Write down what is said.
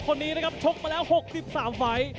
คนนี้นะครับชกมาแล้วหกสิบสามไฟ